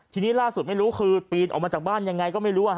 ทีนี้ล่าสุดไม่รู้คือปีนออกมาจากบ้านยังไงก็ไม่รู้